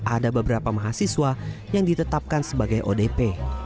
ada beberapa mahasiswa yang ditetapkan sebagai odp